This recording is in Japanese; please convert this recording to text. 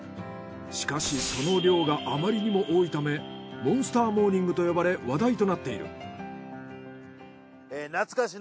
しかしその量があまりにも多いためモンスターモーニングと呼ばれ話題となっている。